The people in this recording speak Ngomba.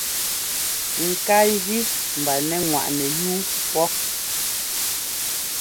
Ŋká jí mba nɛ́ ŋwaʼnɛ́ yuu pɔ́.